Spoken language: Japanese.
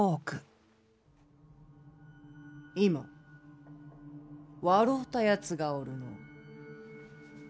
今笑うたやつがおるの。